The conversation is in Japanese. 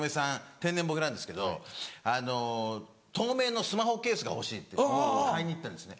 天然ボケなんですけど透明のスマホケースが欲しいって言って買いに行ったんですね。